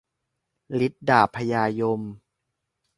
ฤทธิ์ดาบพญายม